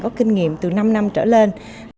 có kinh nghiệm từ năm năm trở lên